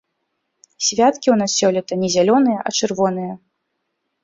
Святкі ў нас сёлета не зялёныя, а чырвоныя.